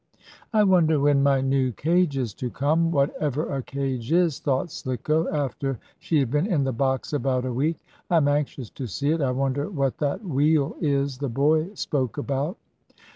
"I wonder when my new cage is to come, whatever a cage is," thought Slicko, after she had been in the box about a week. "I am anxious to see it, and I wonder what that wheel is the boy spoke about."